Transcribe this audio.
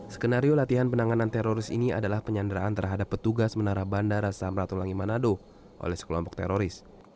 skenario latihan penanganan teroris ini adalah penyanderaan terhadap petugas menara bandara samratulangi manado oleh sekelompok teroris